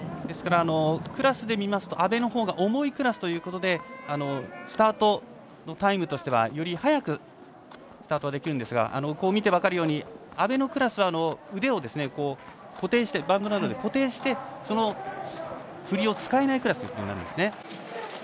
ですからクラスで見ますと阿部のほうが重いクラスということでスタートのタイムとしてはより早くスタートできるんですが見て分かるように阿部のクラスは腕をバンドなどで固定して振りを使えないクラスとなります。